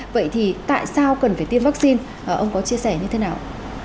vậy thì tại sao cần phải tiêm vaccine ông có chia sẻ như thế nào